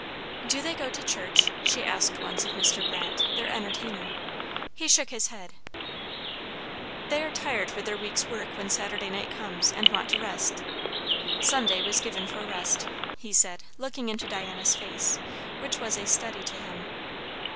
"Do they go to church?" she asked once of Mr. Brandt, their entertainer. He shook his head. "They are tired with their week's work when Saturday night comes, and want to rest. Sunday was given for rest," he said, looking into Diana's face, which was a study to him.